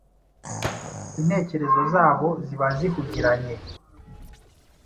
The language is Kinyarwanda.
Intekerezo zabo ziba zihugiranye,